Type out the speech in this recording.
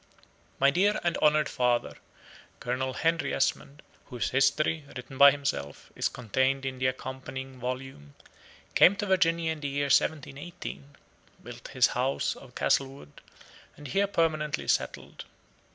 My dear and honored father, Colonel Henry Esmond, whose history, written by himself, is contained in the accompanying volume, came to Virginia in the year 1718, built his house of Castlewood, and here permanently settled.